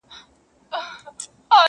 • وحشت د انسان دننه پټ دی..